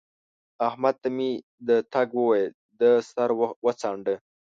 احمد ته مې د تګ وويل؛ ده سر وڅانډه